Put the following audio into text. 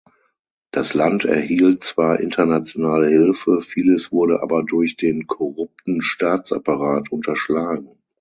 Das Land erhielt zwar internationale Hilfe, vieles wurde aber durch den korrupten Staatsapparat unterschlagen.